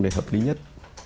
để hợp lý nhất